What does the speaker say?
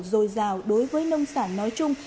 rồi rào đối với nông sản nói chung